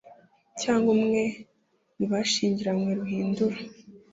cyangwa umwe mu bashyingiranywe ruhindura